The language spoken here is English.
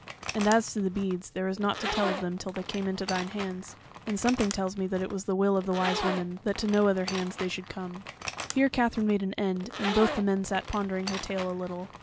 And as to the beads, there is nought to tell of them till they came into thine hands; and something tells me that it was the will of the Wise Woman that to no other hands they should come." Here Katherine made an end, and both the men sat pondering her tale a little.